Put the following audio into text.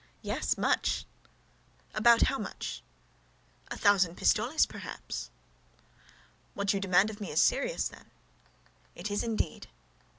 "Yes, much." "About how much?" "A thousand pistoles, perhaps." "What you demand of me is serious, then?" "It is indeed."